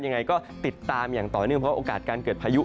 ยังไงก็ติดตามอย่างต่อเนื่องเพราะโอกาสการเกิดพายุ